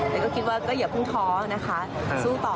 ผมก็คิดว่าอย่าพึ่งท้อนะคะสู้ต่อค่ะ